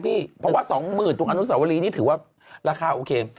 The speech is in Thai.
เพราะว่า๒๐๐๐ตรงอนุสาวรีนี่ถือว่าราคาโอเค